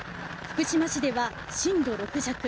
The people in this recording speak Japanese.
福島市では震度６弱。